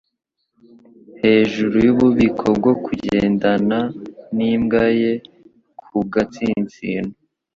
Hejuru yububiko bwo kugendana nimbwa ye ku gatsinsino,